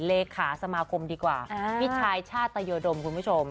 เลขาสมาคมดีกว่าพี่ชายชาตยดมคุณผู้ชม